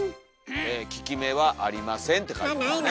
「効き目はありません！」って書いてはるね。